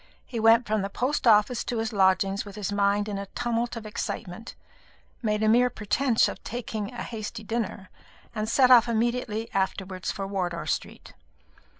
He went from the post office to his lodgings with his mind in a tumult of excitement, made a mere pretence of taking a hasty dinner, and set off immediately afterwards for Wardour Street.